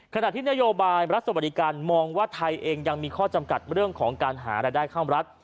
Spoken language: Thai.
ขณะที่นโยบายรัฐสวัสดิการมองว่าไทยเองยังมีข้อจำกัดเรื่องของการหารายได้ข้ามรัฐ